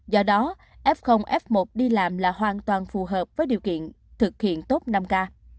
do đó f f một đi làm là hoàn toàn phù hợp với điều kiện thực hiện tốt năm k